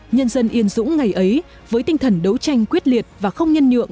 nhân dân yên dũng ngày ấy với tinh thần đấu tranh quyết liệt và không nhân nhượng